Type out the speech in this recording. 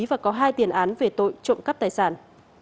và có hai tiền án về tội trộm cắp tài sản